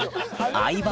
相葉